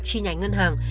chi nhánh ngân hàng